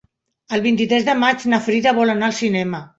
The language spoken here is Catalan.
El vint-i-tres de maig na Frida vol anar al cinema.